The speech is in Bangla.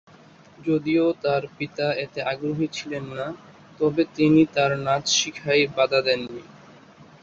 যদিও তার পিতা এতে আগ্রহী ছিলেন না, তবে তিনি তার নাচ শিখায় বাধা দেননি।